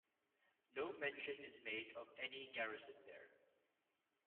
No mention is made of any garrison there.